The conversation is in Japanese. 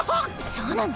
そうなの？